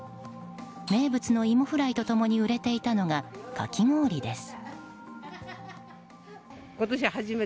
名物のイモフライと共に売れていたのが、かき氷です。